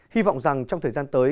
hy vọng rằng trong thời gian tới